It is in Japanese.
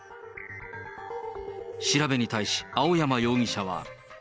調べに対し、青山容疑者は。